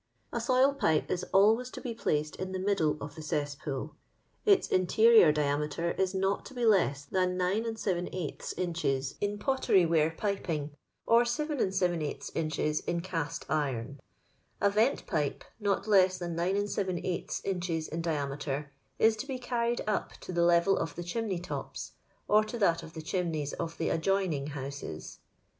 A soil pipe is always to be placed in the middle of the cesspool ; its interior diameter is not to be less than 9| inches in pottery ware piping, or 7| inches in cast iron. A vent pipe, not less than 9{ inches in diameter, is to be carried up to the level of the chimney tops, or to that of the chimneys d the adjoining houses.